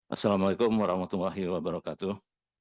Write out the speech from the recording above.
assalamu alaikum warahmatullahi wabarakatuh